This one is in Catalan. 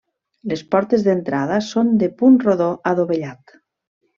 Les portes d'entrada són de punt rodó adovellat.